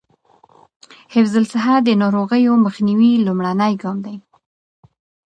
حفظ الصحه د ناروغیو مخنیوي لومړنی ګام دی.